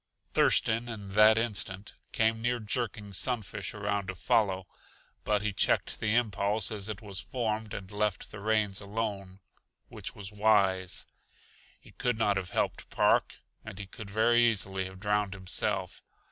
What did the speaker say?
Thurston, in that instant, came near jerking Sunfish around to follow; but he checked the impulse as it was formed and left the reins alone which was wise. He could not have helped Park, and he could very easily have drowned himself.